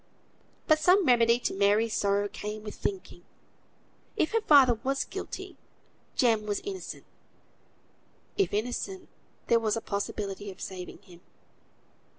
But some remedy to Mary's sorrow came with thinking. If her father was guilty, Jem was innocent. If innocent, there was a possibility of saving him.